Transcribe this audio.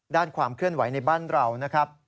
ความเคลื่อนไหวในบ้านเรานะครับ